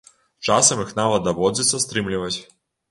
Часам іх нават даводзіцца стрымліваць.